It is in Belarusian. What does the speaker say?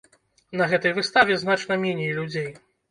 На гэтай выставе значна меней людзей.